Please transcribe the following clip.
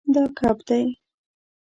دا کب دی